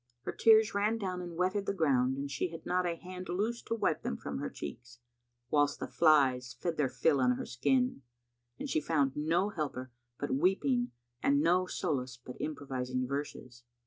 Her tears ran down and wetted the ground and she had not a hand loose to wipe them from her cheeks, whilst the flies fed their fill on her skin, and she found no helper but weeping and no solace but improvising verses.